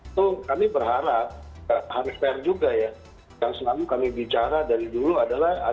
itu kami berharap harus fair juga ya yang selalu kami bicara dari dulu adalah